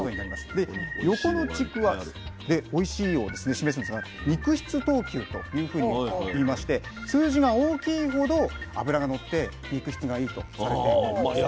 で横の軸はおいしいを示すんですが肉質等級というふうにいいまして数字が大きいほど脂がのって肉質がいいとされているんですね。